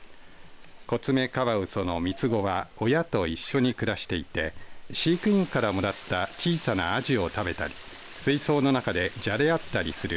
コツメカワウソの３つ子は親と一緒に暮らしていて飼育員からもらった小さなあじを食べたり水槽の中でじゃれ合ったりする